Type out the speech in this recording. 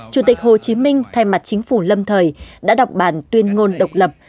chủ tịch hồ chí minh thay mặt chính phủ lâm thời đã đọc bản tuyên ngôn độc lập